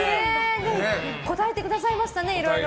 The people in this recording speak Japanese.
答えてくださいましたねいろいろ。